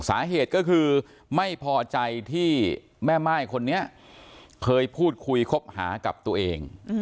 สาเหตุก็คือไม่พอใจที่แม่ม่ายคนนี้เคยพูดคุยคบหากับตัวเอง